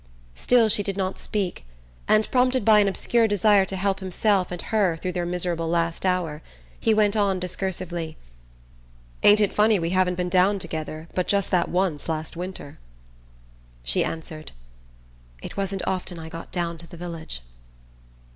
Still she did not speak and, prompted by an obscure desire to help himself and her through their miserable last hour, he went on discursively: "Ain't it funny we haven't been down together but just that once last winter?" She answered: "It wasn't often I got down to the village."